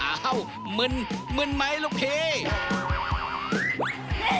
อ้าวหมุนหมุนไหมลูกพี่